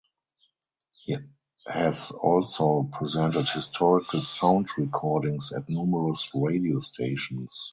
He has also presented historical sound recordings at numerous radio stations.